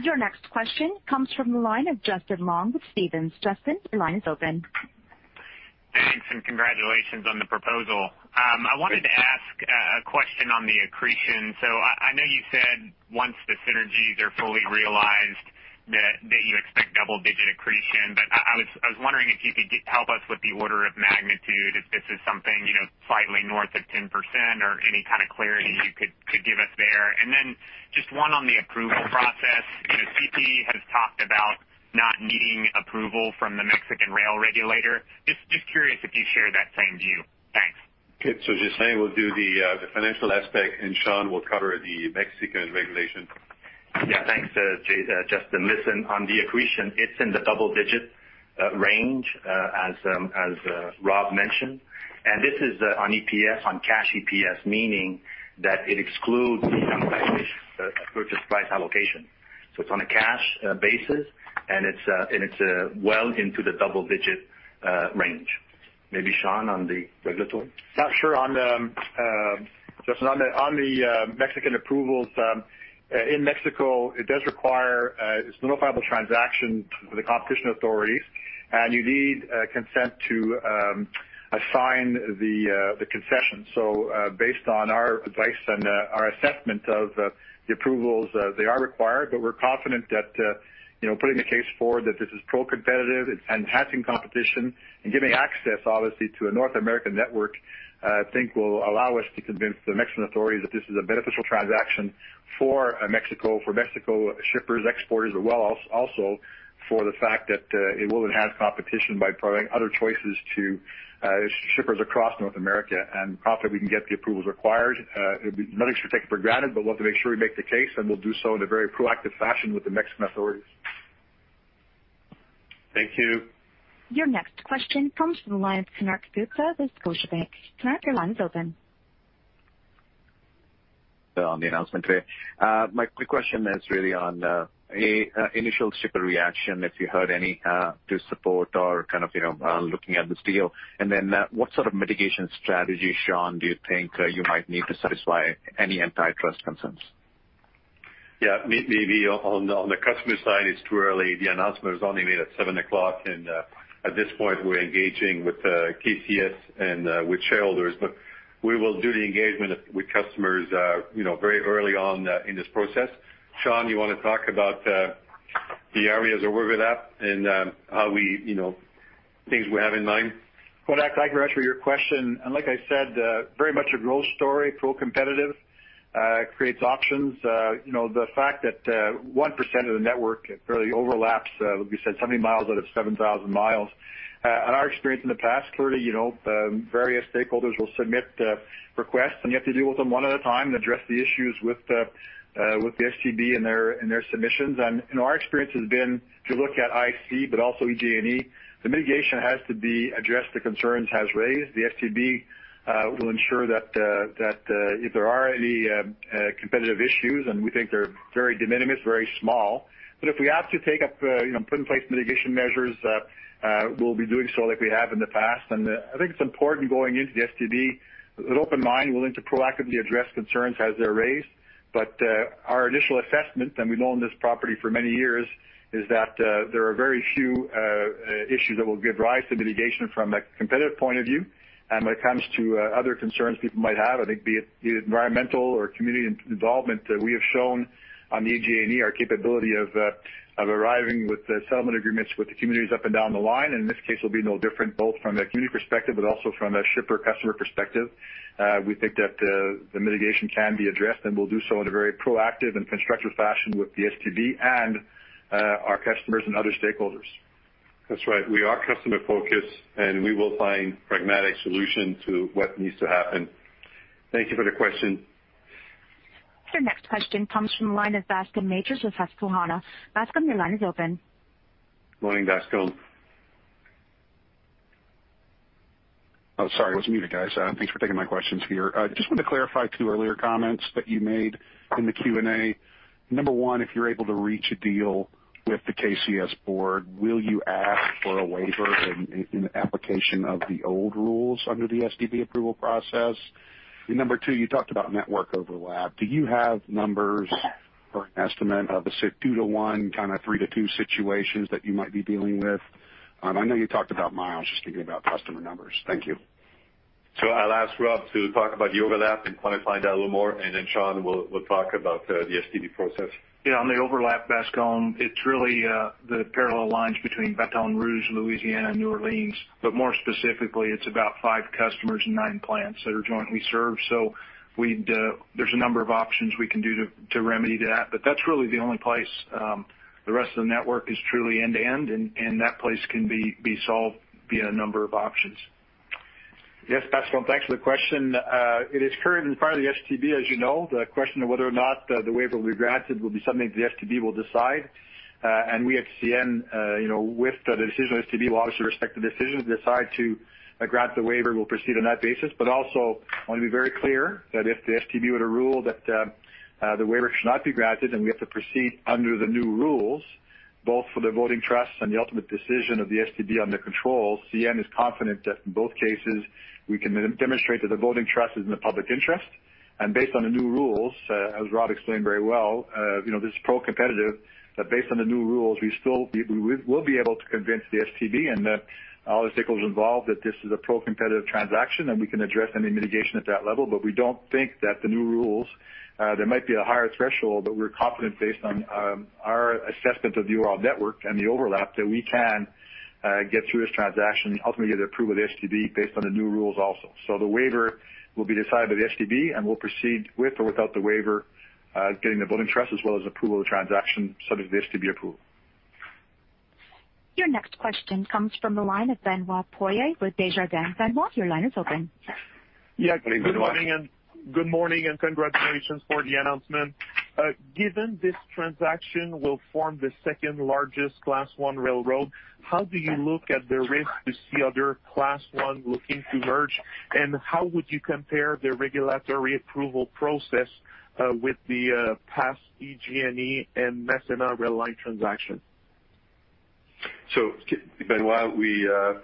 Speaker 1: Your next question comes from the line of Justin Long with Stephens. Justin, your line is open.
Speaker 18: Thanks. Congratulations on the proposal. I wanted to ask a question on the accretion. I know you said once the synergies are fully realized that you expect double-digit accretion, but I was wondering if you could help us with the order of magnitude, if this is something slightly north of 10% or any kind of clarity you could give us there. Just one on the approval process. CP has talked about not needing approval from the Mexican rail regulator. Just curious if you share that same view. Thanks.
Speaker 3: Okay. Ghislain will do the financial aspect, and Sean will cover the Mexican regulation.
Speaker 14: Yeah. Thanks, Justin. Listen, on the accretion, it's in the double-digit range, as Rob mentioned. This is on EPS, on cash EPS, meaning that it excludes the purchase price allocation. It's on a cash basis, and it's well into the double-digit range.
Speaker 3: Maybe Sean on the regulatory.
Speaker 9: Sure. Justin, on the Mexican approvals, in Mexico, it does require a notifiable transaction for the competition authorities, and you need consent to assign the concession. Based on our advice and our assessment of the approvals, they are required, but we're confident that putting the case forward that this is pro-competitive, it's enhancing competition and giving access, obviously, to a North American network, I think will allow us to convince the Mexican authorities that this is a beneficial transaction for Mexico, for Mexico shippers, exporters, but well also for the fact that it will enhance competition by providing other choices to shippers across North America. Confident we can get the approvals required. Nothing's to take for granted, but we'll have to make sure we make the case, and we'll do so in a very proactive fashion with the Mexican authorities. Thank you.
Speaker 1: Your next question comes from the line of Konark Gupta with Scotiabank. Konark, your line is open.
Speaker 19: On the announcement today. My quick question is really on initial shipper reaction, if you heard any do support or kind of looking at this deal? What sort of mitigation strategy, Sean, do you think you might need to satisfy any antitrust concerns?
Speaker 3: Yeah. Maybe on the customer side, it's too early. The announcement was only made at 7:00, at this point, we're engaging with KCS and with shareholders. We will do the engagement with customers very early on in this process. Sean, you want to talk about the areas of overlap and things we have in mind?
Speaker 9: Well, thank you for your question. Like I said, very much a growth story, pro-competitive, creates options. The fact that 1% of the network really overlaps, like we said, 70 mi out of 7,000 mi. In our experience in the past, clearly, various stakeholders will submit requests, and you have to deal with them one at a time and address the issues with the STB and their submissions. Our experience has been, if you look at IC, but also EJ&E, the mitigation has to be addressed, the concerns as raised. The STB will ensure that if there are any competitive issues, we think they're very de minimis, very small. If we have to put in place mitigation measures, we'll be doing so like we have in the past. I think it's important going into the STB with an open mind, willing to proactively address concerns as they're raised. Our initial assessment, and we've owned this property for many years, is that there are very few issues that will give rise to mitigation from a competitive point of view. When it comes to other concerns people might have, I think be it environmental or community involvement, we have shown on the EJ&E our capability of arriving with settlement agreements with the communities up and down the line. In this case, it will be no different, both from a community perspective, but also from a shipper customer perspective. We think that the mitigation can be addressed, and we'll do so in a very proactive and constructive fashion with the STB and our customers and other stakeholders.
Speaker 3: That's right. We are customer-focused, and we will find pragmatic solution to what needs to happen. Thank you for the question.
Speaker 1: Your next question comes from the line of Bascome Majors with Susquehanna. Bascome, your line is open.
Speaker 3: Morning, Bascome.
Speaker 20: Oh, sorry, I was muted, guys. Thanks for taking my questions here. Just wanted to clarify two earlier comments that you made in the Q&A. Number one, if you're able to reach a deal with the KCS Board, will you ask for a waiver in the application of the old rules under the STB approval process? Number two, you talked about network overlap. Do you have numbers or an estimate of a say two to one, kind of three to two situations that you might be dealing with? I know you talked about miles, just thinking about customer numbers. Thank you.
Speaker 3: I'll ask Rob to talk about the overlap and quantify that a little more, and Sean will talk about the STB process.
Speaker 4: Yeah, on the overlap, Bascome, it's really the parallel lines between Baton Rouge, Louisiana, and New Orleans. More specifically, it's about five customers and nine plants that are jointly served. There's a number of options we can do to remedy that, but that's really the only place. The rest of the network is truly end to end, and that place can be solved via a number of options.
Speaker 9: Yes, Bascome, thanks for the question. It is currently in front of the STB, as you know. The question of whether or not the waiver will be granted will be something the STB will decide. We at CN, with the decision of STB, we'll obviously respect the decision. If they decide to grant the waiver, we'll proceed on that basis. Also, I want to be very clear that if the STB were to rule that the waiver should not be granted and we have to proceed under the new rules, both for the voting trusts and the ultimate decision of the STB under control, CN is confident that in both cases, we can demonstrate that the voting trust is in the public interest. Based on the new rules, as Rob explained very well, this is pro-competitive, but based on the new rules, we will be able to convince the STB and all the stakeholders involved that this is a pro-competitive transaction and we can address any mitigation at that level. We don't think that the new rules, there might be a higher threshold, but we're confident based on our assessment of the overall network and the overlap, that we can get through this transaction and ultimately get approval of the STB based on the new rules also. The waiver will be decided by the STB, and we'll proceed with or without the waiver, getting the voting trust as well as approval of the transaction subject to the STB approval.
Speaker 1: Your next question comes from the line of Benoit Poirier with Desjardins. Benoit, your line is open.
Speaker 3: Yeah, good morning.
Speaker 21: Good morning and congratulations for the announcement. Given this transaction will form the second largest Class I railroad, how do you look at the risk to see other Class I looking to merge, and how would you compare the regulatory approval process with the past EJ&E and KCS Board,?
Speaker 3: Benoit,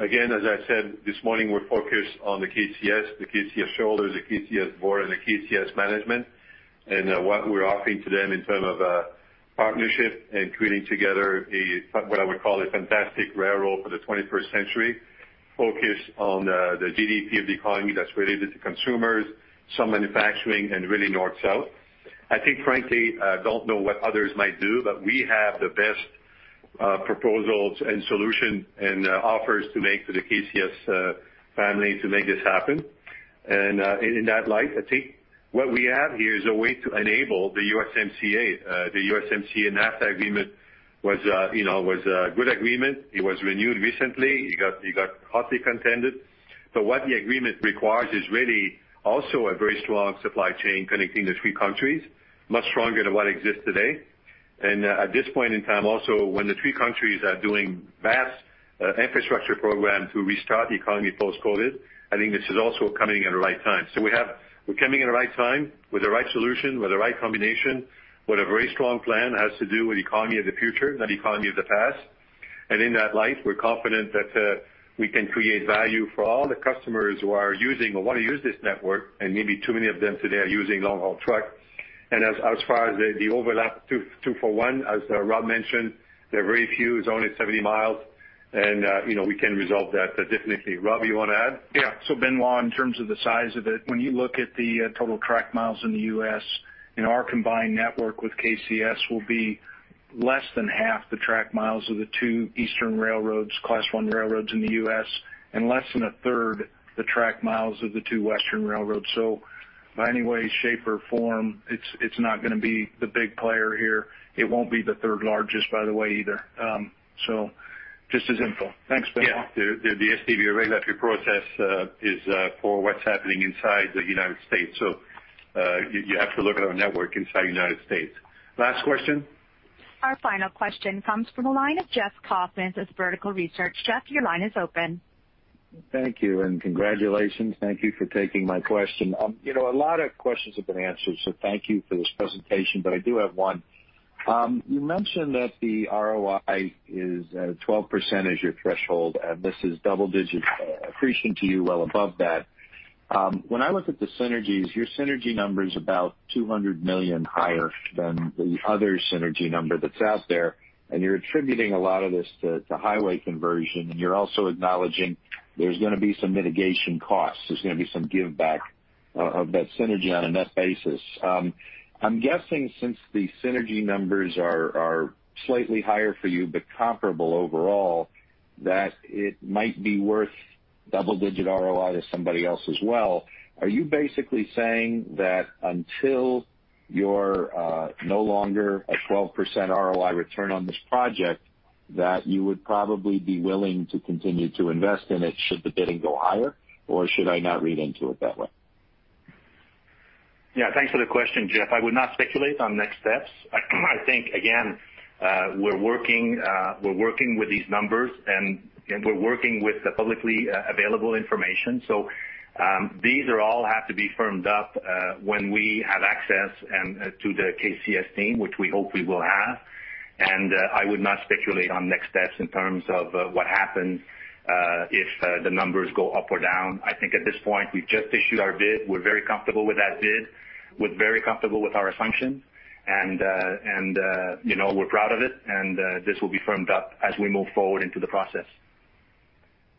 Speaker 3: again, as I said this morning, we're focused on the KCS, the KCS shareholders, the KCS board, and the KCS management, and what we're offering to them in term of a partnership and creating together what I would call a fantastic railroad for the 21st century, focused on the GDP of the economy that's related to consumers, some manufacturing, and really north-south. I think, frankly, I don't know what others might do, but we have the best proposals and solution and offers to make to the KCS family to make this happen. In that light, I think what we have here is a way to enable the USMCA. The USMCA and NAFTA agreement was a good agreement. It was renewed recently. It got hotly contended. What the agreement requires is really also a very strong supply chain connecting the three countries, much stronger than what exists today. At this point in time also, when the three countries are doing vast infrastructure program to restart the economy post-COVID, I think this is also coming at the right time. We're coming at the right time with the right solution, with the right combination, with a very strong plan as to do with the economy of the future, not economy of the past. In that light, we're confident that we can create value for all the customers who are using or want to use this network, and maybe too many of them today are using long-haul truck. As far as the overlap two for one, as Rob mentioned, they're very few. It's only 70 mi, and we can resolve that definitely. Rob, you want to add?
Speaker 4: Benoit, in terms of the size of it, when you look at the total track miles in the U.S., our combined network with KCS will be less than half the track miles of the two Eastern railroads, Class I railroads in the U.S., and less than a third the track miles of the two Western railroads. By any way, shape, or form, it's not going to be the big player here. It won't be the third largest, by the way, either. Just as info. Thanks, [Jean].
Speaker 3: Yeah. The STB regulatory process is for what's happening inside the U.S. You have to look at our network inside the U.S. Last question.
Speaker 1: Our final question comes from the line of Jeff Kauffman with Vertical Research. Jeff, your line is open.
Speaker 22: Thank you, and congratulations. Thank you for taking my question. A lot of questions have been answered, so thank you for this presentation, but I do have one. You mentioned that the ROI is at 12% is your threshold, and this is double-digit accretion to you well above that. When I look at the synergies, your synergy number is about 200 million higher than the other synergy number that's out there, and you're attributing a lot of this to highway conversion, and you're also acknowledging there's going to be some mitigation costs. There's going to be some giveback of that synergy on a net basis. I'm guessing since the synergy numbers are slightly higher for you, but comparable overall, that it might be worth double-digit ROI to somebody else as well. Are you basically saying that until you're no longer a 12% ROI return on this project, that you would probably be willing to continue to invest in it should the bidding go higher? Or should I not read into it that way?
Speaker 14: Yeah. Thanks for the question, Jeff. I would not speculate on next steps. I think, again, we're working with these numbers, and we're working with the publicly available information. These all have to be firmed up when we have access to the KCS team, which we hope we will have. I would not speculate on next steps in terms of what happens if the numbers go up or down. I think at this point, we've just issued our bid. We're very comfortable with that bid. We're very comfortable with our assumptions, and we're proud of it, and this will be firmed up as we move forward into the process.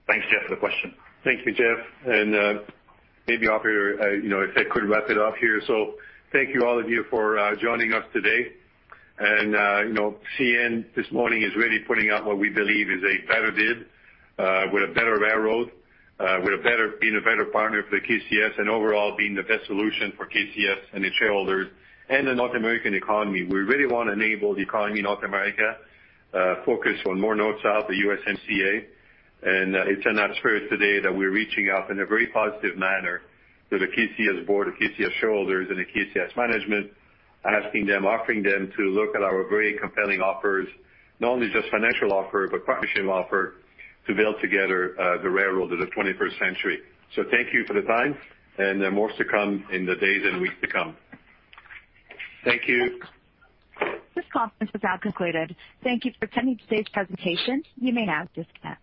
Speaker 14: Thanks, Jeff, for the question.
Speaker 3: Thank you, Jeff. Maybe, [audio distortion] if I could wrap it up here. Thank you, all of you, for joining us today. CN this morning is really putting out what we believe is a better bid with a better railroad, being a better partner for the KCS, and overall, being the best solution for KCS and its shareholders and the North American economy. We really want to enable the economy in North America, focus on more North-South, the USMCA. It's in that spirit today that we're reaching out in a very positive manner to the KCS Board, the KCS shareholders, and the KCS management, asking them, offering them to look at our very compelling offers. Not only just financial offer, but partnership offer to build together the railroad of the 21st century. Thank you for the time, and more to come in the days and weeks to come.
Speaker 14: Thank you.
Speaker 1: This conference has now concluded. Thank you for attending today's presentation. You may now disconnect.